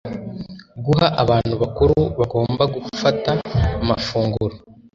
guhaabantu bakuru bagomba gufata amafunguro